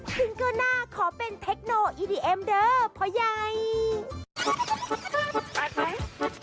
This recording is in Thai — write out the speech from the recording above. จะขอเป็นเทคโนอีดีเอ็มเด้อเพราะใหญ่